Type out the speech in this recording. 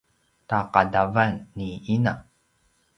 taqadavan ni ina